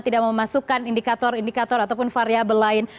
tidak memasukkan indikator indikator ataupun variable lain